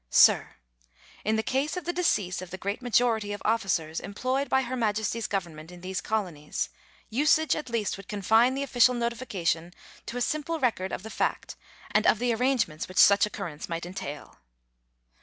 In the case of the decease of the great majority of officers employed by Her Majesty's Government in these colonies, usage at least would confine the official notification to a simple record of the fact, and of the arrangements which such occurrence might entail.